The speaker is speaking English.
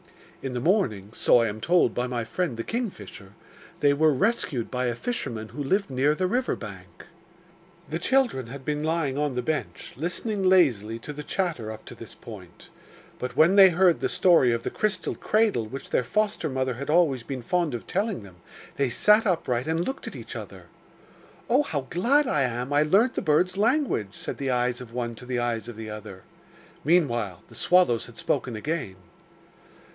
In the morning so I am told by my friend the kingfisher they were rescued by a fisherman who lived near the river bank.' The children had been lying on the bench, listening lazily to the chatter up to this point; but when they heard the story of the crystal cradle which their foster mother had always been fond of telling them, they sat upright and looked at each other. 'Oh, how glad I am I learnt the birds' language!' said the eyes of one to the eyes of the other. Meanwhile the swallows had spoken again.